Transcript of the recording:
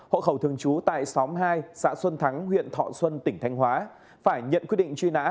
hộ khẩu thường trú tại xóm hai xã xuân thắng huyện thọ xuân tỉnh thanh hóa phải nhận quyết định truy nã